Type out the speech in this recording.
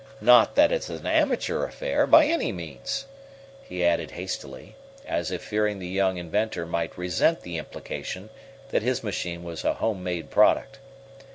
Not that it's an amateur affair, by any means!" he added hastily, as if fearing the young inventor might resent the implication that his machine was a home made product.